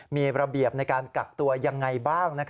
มีระเบียบในการกักตัวยังไงบ้าง